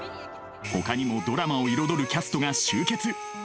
ほかにもドラマを彩るキャストが集結